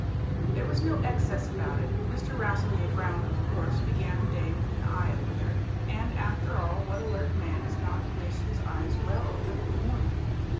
There was no excess about it. Mr. Rasselyer Brown, of course, began the day with an eye opener and after all, what alert man does not wish his eyes well open in the morning?